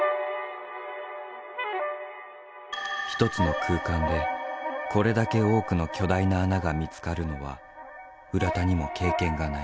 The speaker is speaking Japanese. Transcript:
一つの空間でこれだけ多くの巨大な穴が見つかるのは浦田にも経験がない。